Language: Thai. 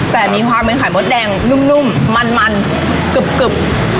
แต่มีพลาดเป็นขวายหมดแดงนุ่มมันกลึบ